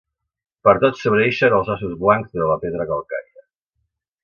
Pertot sobreïxen els ossos blancs de la pedra calcària.